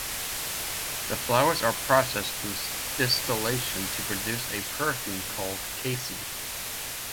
The flowers are processed through distillation to produce a perfume called Cassie.